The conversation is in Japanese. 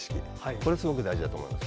これすごく大事だと思います。